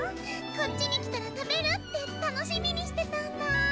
こっちに来たら食べるって楽しみにしてたんだ。